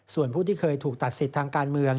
ส่วนผู้ที่เคยถูกตัดสิทธิ์ทางการเมือง